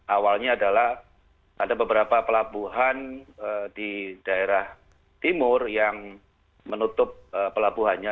awalnya adalah ada beberapa pelabuhan di daerah timur yang menutup pelabuhannya